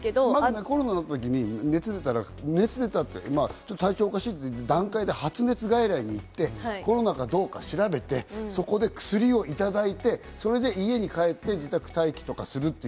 コロナになった時に熱出た、体調おかしいという段階で発熱外来に行って、コロナかどうか調べて、そこで薬をいただいて、そして家に帰って自宅待機とかするという。